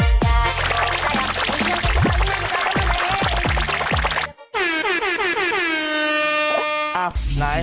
อย่ายอม